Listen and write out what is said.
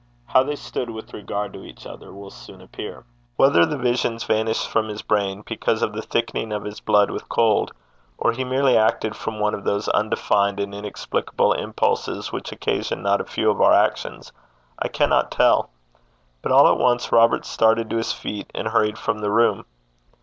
How they stood with regard to each other will soon appear. Whether the visions vanished from his brain because of the thickening of his blood with cold, or he merely acted from one of those undefined and inexplicable impulses which occasion not a few of our actions, I cannot tell, but all at once Robert started to his feet and hurried from the room.